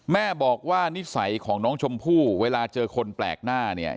แม่บอกว่านิสัยของน้องชมพู่เวลาเจอคนแปลกหน้าเนี่ย